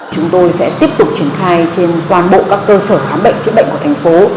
chúng tôi sẽ tiếp tục triển khai trên toàn bộ các cơ sở khám bệnh chữa bệnh của thành phố